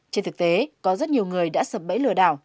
trên thực tế có rất nhiều người đã sập bẫy lừa đảo